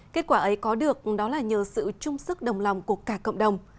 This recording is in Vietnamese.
kết quả ấy có được đó là nhờ sự trung sức đồng lòng của cả cộng đồng